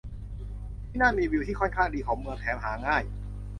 ที่นั่นมีวิวที่ค่อนข้างดีของเมือง แถมหาง่าย